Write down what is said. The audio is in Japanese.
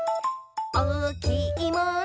「おおきいもの？